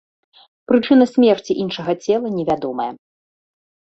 Прычына смерці іншага цела невядомая.